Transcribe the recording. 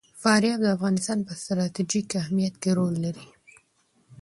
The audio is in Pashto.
فاریاب د افغانستان په ستراتیژیک اهمیت کې رول لري.